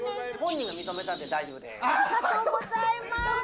ありがとうございます！